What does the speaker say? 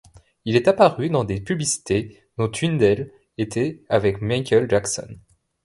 Il est apparu dans des publicités dont une d'elles était avec Michael Jackson.